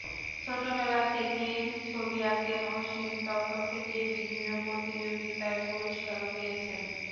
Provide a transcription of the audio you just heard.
ছোটবেলা থেকেই ছবি আঁকেন অসীম, তখন থেকেই বিভিন্ন প্রতিযোগিতায় পুরস্কারও পেয়েছেন।